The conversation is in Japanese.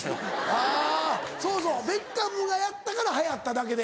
あぁそうそうベッカムがやったから流行っただけで。